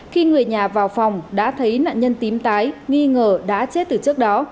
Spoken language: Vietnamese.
khi người nhà vào phòng đã thấy nạn nhân tím tái nghi ngờ đã chết từ trước đó